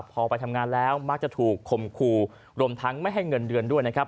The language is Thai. พอไปทำงานแล้วมักจะถูกคมคู่รวมทั้งไม่ให้เงินเดือนด้วยนะครับ